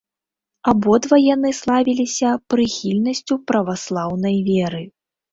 Абодва яны славіліся прыхільнасцю праваслаўнай веры.